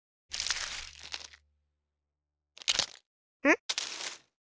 ん？